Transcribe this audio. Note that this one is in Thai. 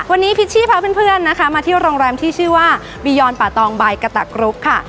วันนี้พิชชี่พาเพื่อนนะคะมาที่โรงแรมที่ชื่อว่าบียอนป่าตองใบกระตะกรุ๊ปค่ะ